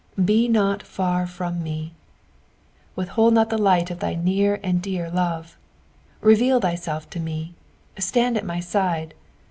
"Be not far from me." Withhold not the light of thy near and dear love. Reveal thyself to me. Stand at my side.